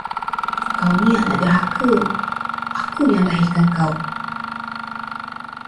Kau ni anak derhaka, aku yang lahirkan kau.